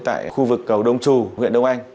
tại khu vực cầu đông chủ huyện đông anh